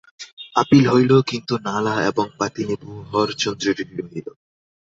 Appeal হইল কিন্তু নালা এবং পাতিনেবু হরচন্দ্রেরই রহিল।